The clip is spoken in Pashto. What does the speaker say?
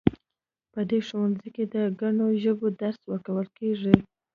په دې ښوونځي کې د ګڼو ژبو درس ورکول کیږي